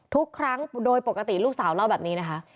ทุกครั้งโดยปกติลูกสาวเล่าแบบนี้นะคะ